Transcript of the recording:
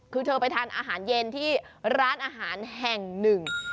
คือเธอไปทานอาหารเย็นที่ร้านอาหารแห่งหนึ่ง